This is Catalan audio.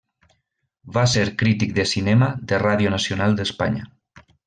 Va ser crític de cinema de Ràdio Nacional d'Espanya.